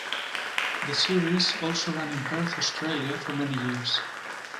The series also ran in Perth, Australia for many years.